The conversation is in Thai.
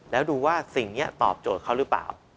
แล้วดูว่าสิ่งนี้ตอบโจทย์เขาหรือเปล่า